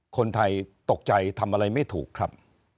คนไทยตกใจทำอะไรไม่ถูกครับ